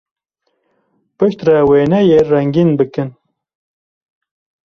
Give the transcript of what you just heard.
Piştre wêneyê rengîn bikin.